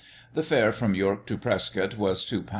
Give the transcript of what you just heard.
The fare from York to Prescott was £2 10s.